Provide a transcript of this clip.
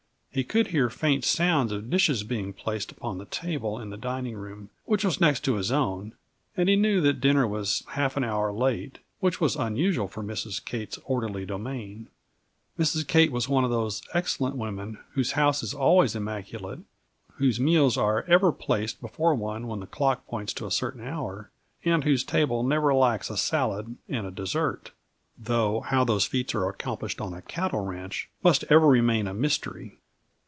He could hear faint sounds of dishes being placed upon the table in the dining room, which was next to his own, and he knew that dinner was half an hour late; which was unusual in Mrs. Kate's orderly domain. Mrs. Kate was one of those excellent women whose house is always immaculate, whose meals are ever placed before one when the clock points to a certain hour, and whose table never lacks a salad and a dessert though how those feats are accomplished upon a cattle ranch must ever remain a mystery.